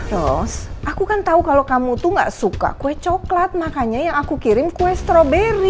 terus aku kan tahu kalau kamu tuh gak suka kue coklat makanya yang aku kirim kue stroberi